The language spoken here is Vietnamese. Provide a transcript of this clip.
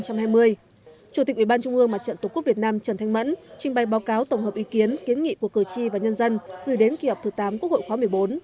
chủ tịch ủy ban trung ương mặt trận tổ quốc việt nam trần thanh mẫn trình bày báo cáo tổng hợp ý kiến kiến nghị của cử tri và nhân dân gửi đến kỳ họp thứ tám quốc hội khóa một mươi bốn